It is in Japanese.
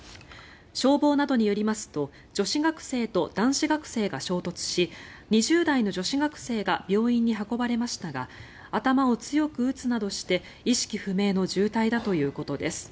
消防などによりますと女子学生と男子学生が衝突し２０代の女子学生が病院に運ばれましたが頭を強く打つなどして意識不明の重体だということです。